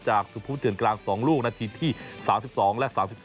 จากสุภูเตือนกลาง๒ลูกณที่๓๒และ๓๓